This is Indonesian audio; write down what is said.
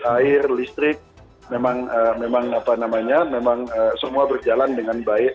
air listrik memang semua berjalan dengan baik